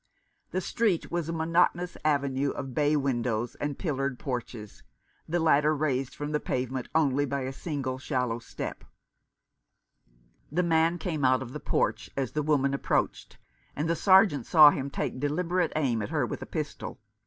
The street was a monotonous avenue of bay windows and pillared porches, the latter raised from the pavement only by a single shallow step. The man came out of the porch as the woman 2Si Rough Justice. approached, and the Sergeant saw him take deliberate aim at her with a pistol.